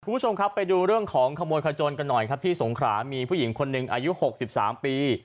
คุณผู้ชมครับไปดูเรื่องของขโมยขจนกันหน่อยครับที่สงขรามีผู้หญิงคนหนึ่งอายุ๖๓ปี